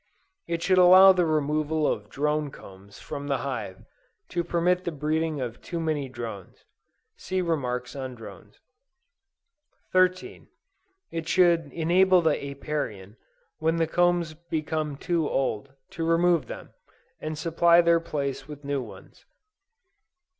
It should allow the removal of drone combs from the hive, to prevent the breeding of too many drones. (See remarks on Drones.) 13. It should enable the Apiarian, when the combs become too old, to remove them, and supply their place with new ones.